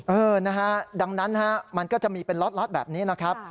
เออนะฮะดังนั้นฮะมันก็จะมีเป็นล็อตแบบนี้นะครับ